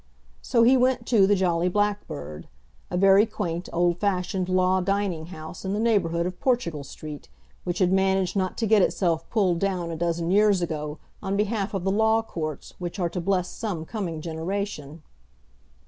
So he went to the Jolly Blackbird, a very quaint, old fashioned law dining house in the neighbourhood of Portugal Street, which had managed not to get itself pulled down a dozen years ago on behalf of the Law Courts which are to bless some coming generation.